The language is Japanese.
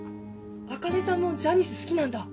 茜さんもジャニス好きなんだ？